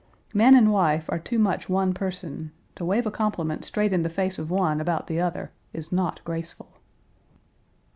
Man and wife are too much one person to wave a compliment straight in the face of one about the other is not graceful.